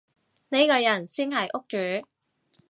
呢個人先係屋主